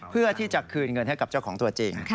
เพื่อที่จะคืนเงินให้กับเจ้าของตัวจริง